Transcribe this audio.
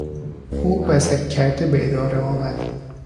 او بزک کرده به اداره آمد.